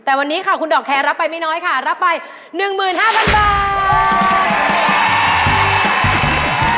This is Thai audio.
แต่วันนี้ค่ะคุณดอกแคร์รับไปไม่น้อยค่ะรับไป๑๕๐๐๐บาท